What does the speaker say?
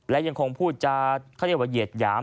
และยังคงพูดจาเขาเรียกว่าเหยียดหยาม